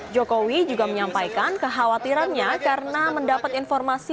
jokowi juga menyampaikan kekhawatirannya karena mendapat informasi